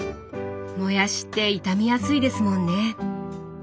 もやしって傷みやすいですもんね。